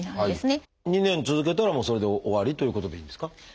２年続けたらもうそれで終わりということでいいんですか？